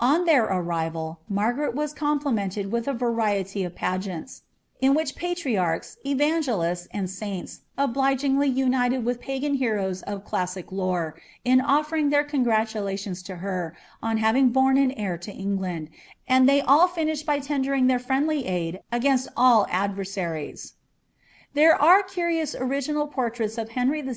On their arrival, Margaret was compli ■iled with a variety of pageants, in which patriarchs, evangelists, and iota, obligingly united with the pagan heroes of classic lore, in ofler f their congratulations to her, on having borne an heir to England, d they all finished by tendering their friendly aid against all adver Tbere are curious original portraits of Henry VI.